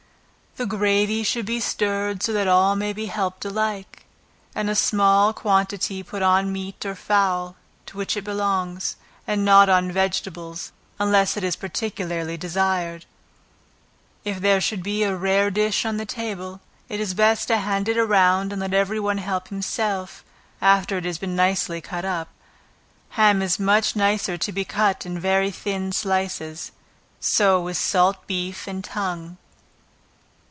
The gravy should be stirred so that all may be helped alike, and a small quantity put on the meat or fowl, to which it belongs, and not on vegetables unless it is particularly desired. If there should be a rare dish on the table, it is best to hand it round and let every one help himself, after it has been nicely cut up. Ham is much nicer to be cut in very thin slices. So is salt beef and tongue.